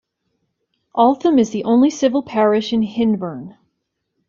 Altham is the only civil parish in Hyndburn.